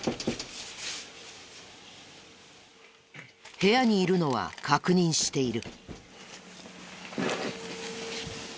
部屋にいるのは確認している。